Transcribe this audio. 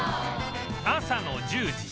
朝の１０時